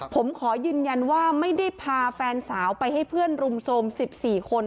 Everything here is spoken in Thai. ผมขอยืนยันว่าไม่ได้พาแฟนสาวไปให้เพื่อนรุมโทรม๑๔คน